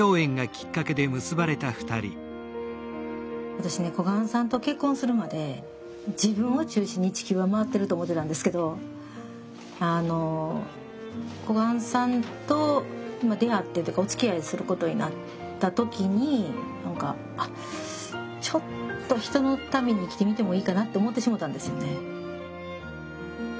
私ね小雁さんと結婚するまで自分を中心に地球は回ってると思ってたんですけどあの小雁さんと出会ってというかおつきあいすることになった時に何か「あっちょっと人のために生きてみてもいいかな」って思ってしもたんですよね。